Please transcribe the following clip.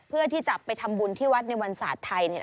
เพื่อที่จะไปทำบุญที่วัดในวันศาสตร์ไทย